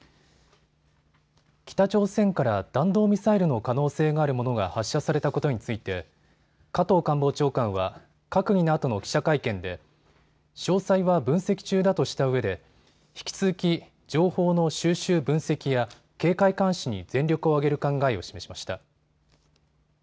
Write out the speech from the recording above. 北朝鮮から弾道ミサイルの可能性があるものが発射されたことについて加藤官房長官は閣議のあとの記者会見で詳細は分析中だとしたうえで引き続き情報の収集分析や警戒監視に全力を挙げる考えを示しました。